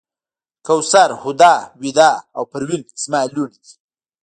کوثر، هُدا، ویدا او پروین زما لوڼې دي.